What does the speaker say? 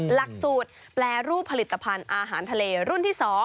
หลักสูตรแปรรูปผลิตภัณฑ์อาหารทะเลรุ่นที่๒